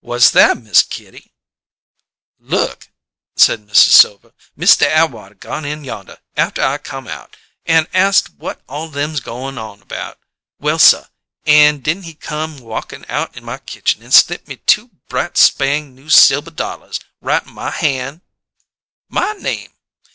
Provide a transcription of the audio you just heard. "What's that, Miss Kitty?" "Look!" said Mrs. Silver. "Mista Atwater gone in yonder, after I come out, an' ast whut all them goin's on about. Well suh, an' di'n' he come walkin' out in my kitchen an' slip me two bright spang new silbuh dolluhs right in my han'?" "My name!"